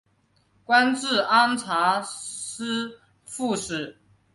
官至按察司副使。